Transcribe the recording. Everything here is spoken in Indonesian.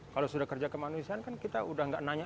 kalau sudah kerja kemanusiaan kan kita udah gak nanya